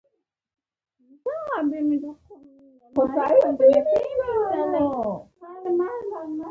آمو سیند د افغانانو د تفریح یوه وسیله ده.